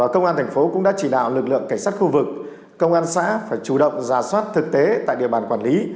công an thành phố cũng đã chỉ đạo lực lượng cảnh sát khu vực công an xã phải chủ động ra soát thực tế tại địa bàn quản lý